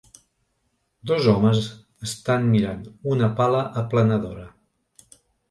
Dos homes estan mirant una pala aplanadora.